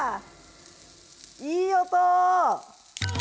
いい音！